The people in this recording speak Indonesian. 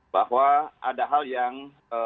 bahwa ada hal yang